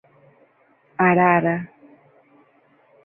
Arara